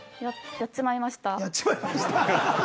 「やっちまいました」